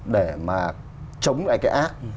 để mà chống lại cái ác